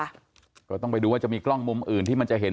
ก็ต้องไปดูว่าจะมีกล้องมุมอื่นที่มันจะเห็น